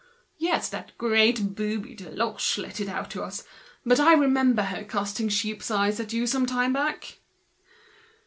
"Yes, that great booby Deloche let it out to us. I remember her casting sheep's eyes at you some time back."